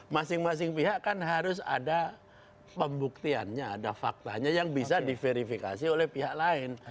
masing masing pihak kan harus ada pembuktiannya ada faktanya yang bisa diverifikasi oleh pihak lain